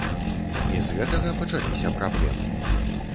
І з гэтага пачаліся праблемы.